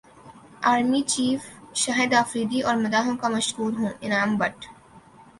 army چیفشاہد Afridi اور مداحوں کا مشکور ہوں انعام بٹ